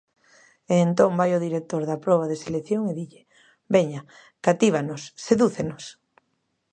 E entón vai o director da proba de selección e dille: Veña, catívanos, sedúcenos.